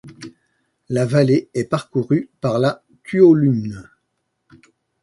La vallée est parcourue par la Tuolumne.